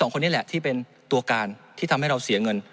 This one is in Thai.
๒คนนี้แหละที่เป็นตัวการที่ทำให้เราเสียเงิน